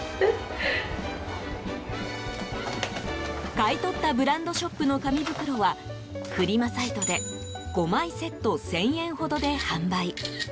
買い取ったブランドショップの紙袋はフリマサイトで５枚セット１０００円ほどで販売。